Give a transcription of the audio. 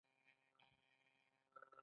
د انسان کار په ټولو برخو کې موجود دی